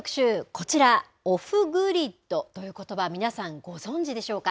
こちら、オフグリッドということば、皆さん、ご存じでしょうか。